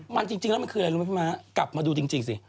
มันจริงแล้วมันคืออะไรรู้ไหมพี่ม้ากลับมาดูจริงสิ